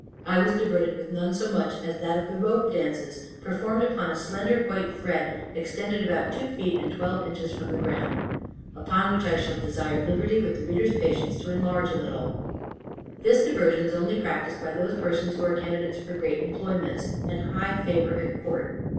I was diverted with none so much as that of the rope dances, performed upon a slender white thread, extended about two feet, and twelve inches from the ground. Upon which I shall desire liberty, with the reader's patience, to enlarge a little. This diversion is only practised by those persons who are candidates for great employments, and high favor at court.